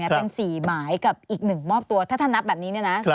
เป็น๔หมายกับอีก๑มอบตัวถ้านับแบบนี้เนี่ยนะ